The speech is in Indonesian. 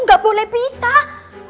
nggak boleh pisah